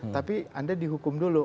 tapi anda dihukum dulu